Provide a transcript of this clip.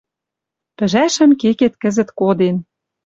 Пӹжӓшӹм кекет кӹзӹт коден.